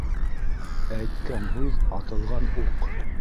Әйткән һүҙ - атылған уҡ.